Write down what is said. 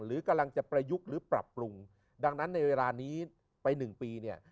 หรือกำลังจะประยุกต์หรือปรับปรุงดังนั้นในเวลานี้ไปหนึ่งปีเนี่ย